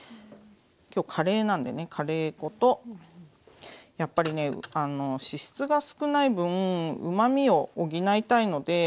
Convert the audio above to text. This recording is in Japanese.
今日カレーなんでねカレー粉とやっぱりね脂質が少ない分うまみを補いたいので。